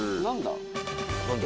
何だ？